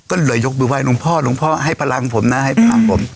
ก็เลยยกบิวไวน์ลงพ่อลงพ่อให้พลังผมนะให้พ่อนผม